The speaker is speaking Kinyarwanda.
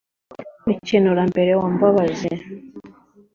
mukenurambere wa mbabazi